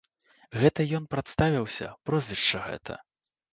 Гэта ён прадставіўся, прозвішча гэта.